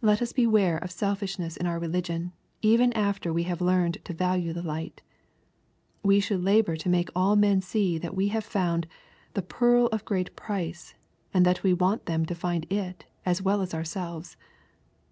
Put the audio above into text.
Let us beware of selfishness in our religion, even after we have learned to value the light. We should labor to make all men see that we have found " the pearl of great price," and that we want them to find it as well as oui selves.